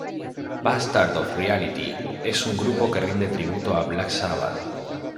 Bastard Of Reality es un grupo que rinde tributo a Black Sabbath.